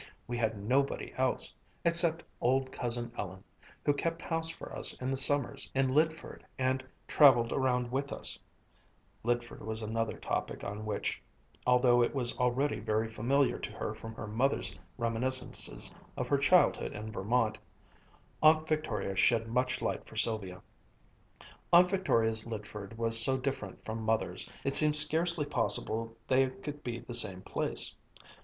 We had nobody else except old Cousin Ellen, who kept house for us in the summers in Lydford and traveled around with us," Lydford was another topic on which, although it was already very familiar to her from her mother's reminiscences of her childhood in Vermont, Aunt Victoria shed much light for Sylvia. Aunt Victoria's Lydford was so different from Mother's, it seemed scarcely possible they could be the same place.